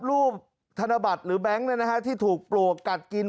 รูปธนบัตรหรือแบงค์ที่ถูกปลวกกัดกิน